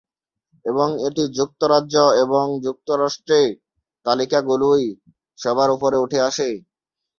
এবং এটি যুক্তরাজ্য এবং যুক্তরাষ্ট্রে তালিকা গুলোয় সবার উপরে উঠে আসে।